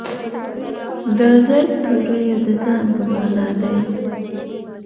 د ظرف توری او د ځای په مانا دئ.